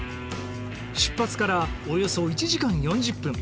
出発からおよそ１時間４０分。